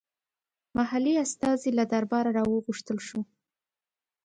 محلي استازی له درباره راوغوښتل شو.